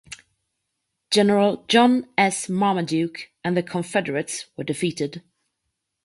General John S. Marmaduke, and the Confederates were defeated.